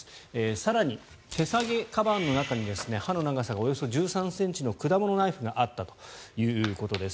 更に手提げかばんの中に刃の長さがおよそ１３ｃｍの果物ナイフがあったということです。